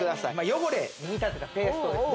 汚れに見立てたペーストですね